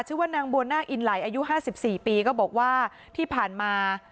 ชื่อนางบวนากอินไหลยอายุห้าสิบสี่ปีก็บอกว่าที่ผ่านมา